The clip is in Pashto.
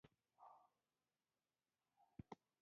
خلک د توپیرونو بدلولو ته هڅول کیږي.